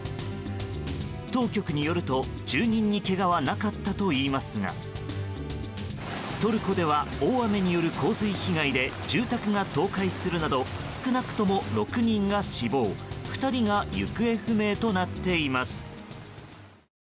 当局によると住人にけがはなかったといいますがトルコでは大雨による洪水被害で住宅が倒壊するなど少なくとも６人が死亡２人が行方不明となっています。